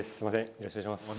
よろしくお願いします。